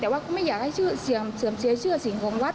แต่ว่าไม่อยากให้ชื่อเสื่อมเสียชื่อสิ่งของวัด